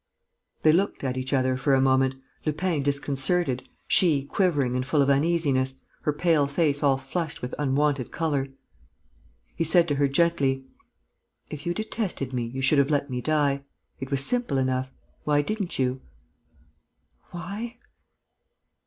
They looked at each other for a moment, Lupin disconcerted, she quivering and full of uneasiness, her pale face all flushed with unwonted colour. He said to her, gently: "If you detested me, you should have let me die.... It was simple enough.... Why didn't you?" "Why?...